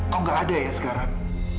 kok nggak ada ya sekarang